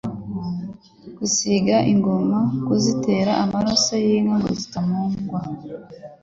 Gusiga ingoma Kuzitera amaraso y'inka ngo zitamungwa